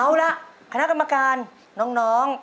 เอาละคณะกรรมการน้อง